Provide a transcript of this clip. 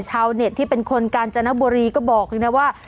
ชาวเน็ตที่เป็นคนกาญจนบุรีก็บอกเลยนะว่า